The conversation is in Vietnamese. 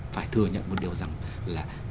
phải thừa nhận một điều rằng là